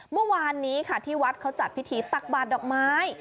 เมื่อวานนี้ค่ะที่วัดเขาจัดพิธีตักบาดดอกไม้